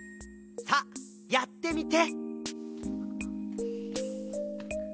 さあやってみて！